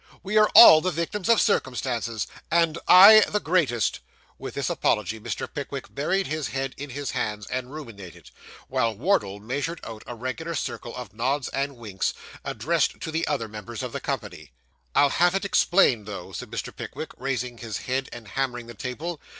We are all the victims of circumstances, and I the greatest.' With this apology Mr. Pickwick buried his head in his hands, and ruminated; while Wardle measured out a regular circle of nods and winks, addressed to the other members of the company. 'I'll have it explained, though,' said Mr. Pickwick, raising his head and hammering the table.